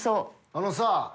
あのさ。